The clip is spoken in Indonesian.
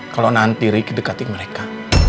kalau nanti riki dekati mereka